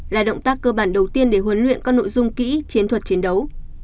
là động tác cơ bản đầu tiên để huấn luyện các nội dung kỹ chiến thuật chiến đấu